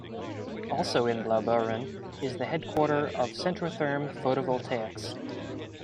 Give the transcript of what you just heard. Also in Blaubeuren is the headquarter of Centrotherm Photovoltaics.